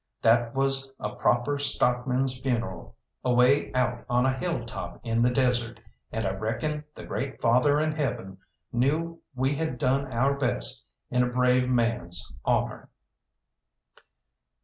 That was a proper stockman's funeral, away out on a hilltop in the desert, and I reckon the Great Father in heaven knew we had done our best in a brave man's honour.